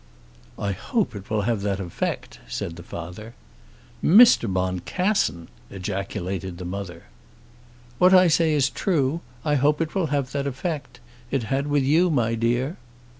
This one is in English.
"I hope it will have that effect," said the father. "Mr. Boncassen!" ejaculated the mother. "What I say is true. I hope it will have that effect. It had with you, my dear."